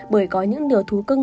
bởi có những điều thú cưng